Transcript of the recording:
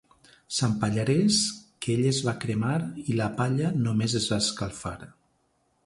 Sant Pallarès, que ell es va cremar i la palla només es va escalfar.